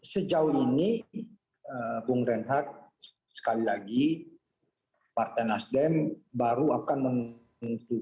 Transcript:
sejauh ini bung reinhardt sekali lagi partai nasdem baru akan menentukan